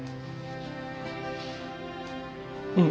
うん。